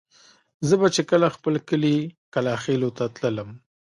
زه به چې کله خپل کلي کلاخېلو ته تللم.